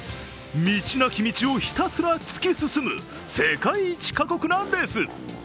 道なき道をひたすら突き進む世界一過酷なレース。